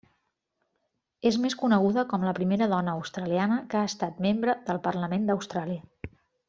És més coneguda com la primera dona australiana que ha estat membre del Parlament d'Austràlia.